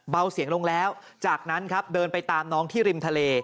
เบาเสียงลงแล้วจากนั้นครับเดินไปตามน้องที่ริมทะเล